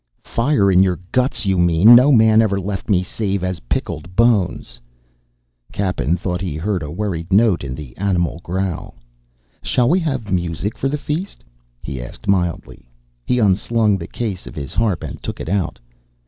"Fire in your guts, you mean! No man ever left me save as picked bones." Cappen thought he heard a worried note in the animal growl. "Shall we have music for the feast?" he asked mildly. He unslung the case of his harp and took it out.